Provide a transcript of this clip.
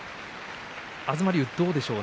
東龍、どうでしょうか。